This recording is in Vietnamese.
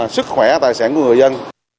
sức khỏe tài sản của người dân